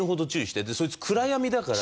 でそいつ暗闇だから。